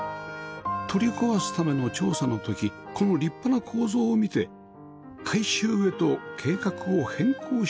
取り壊すための調査の時この立派な構造を見て改修へと計画を変更しました